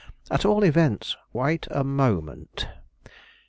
At all events " "Wait a moment!